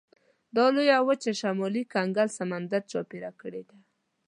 دا لویه وچه شمالي کنګل سمندر چاپېره کړې ده.